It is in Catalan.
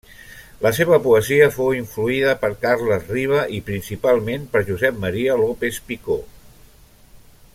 La seva poesia fou influïda per Carles Riba i principalment per Josep Maria López-Picó.